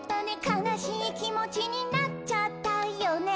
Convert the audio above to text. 「かなしいきもちになっちゃったよね」